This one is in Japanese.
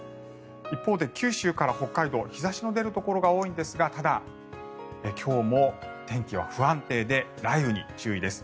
一方で九州から北海道日差しの出るところが多いんですがただ、今日も天気は不安定で雷雨に注意です。